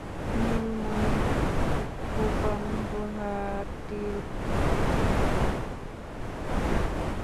নীলমণি ফুকন গুয়াহাটির Cotton College থেকে শিক্ষা গ্রহণ করেন।